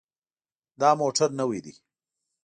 دا موټر نوی دی.